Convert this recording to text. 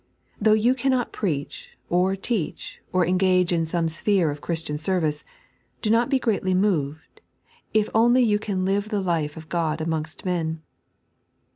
Though yoii cannot preach, or teach, or engage in some sphere of Christian service, do not be greatly moved, if only yon can live the life of Gtod amongst men.